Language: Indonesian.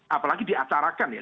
apalagi diacarakan ya